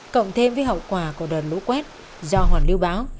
cộng thêm với hậu quả của đợt lũ quét do hoàn lưu bão